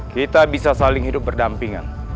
kita bisa saling hidup berdampingan